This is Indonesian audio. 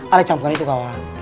ale campurin itu kawan